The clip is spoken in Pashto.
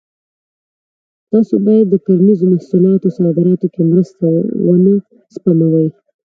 تاسو باید د کرنیزو محصولاتو صادراتو کې مرسته ونه سپموئ.